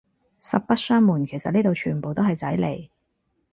實不相暪，其實呢度全部都係仔嚟